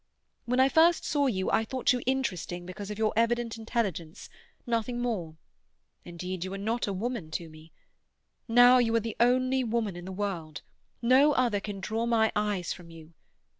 When I first saw you, I thought you interesting because of your evident intelligence—nothing more; indeed you were not a woman to me. Now you are the one woman in the world; no other can draw my eyes from you.